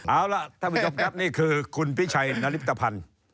เอาล่ะท่านผู้ชมครับนี่คือคุณพิชัยนริปตภัณฑ์